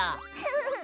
フフフ。